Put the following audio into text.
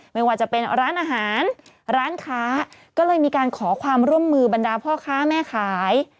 ไม่ว่าจะเป็นร้านอาหารร้านค้าก็เลยมีการขอความร่วมมือบรรดาพ่อค้าแม่ขาย